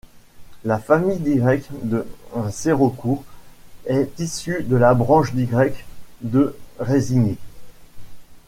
La famille d'Y de Seraucourt est issue de la branche d'Y de Résigny.